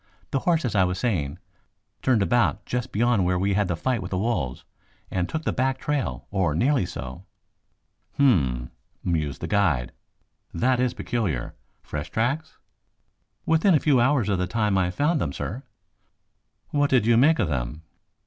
The horse, as I was saying, turned about just beyond where we had the fight with the wolves, and took the back trail, or nearly so." "Hm m m!" mused the guide. "That is peculiar. Fresh tracks?" "Within a few hours of the time I found them, sir." "What did you make of them?"